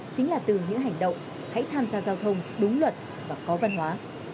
chính là từ những hành động hãy tham gia giao thông đúng luật và có văn hóa